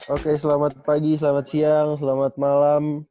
oke selamat pagi selamat siang selamat malam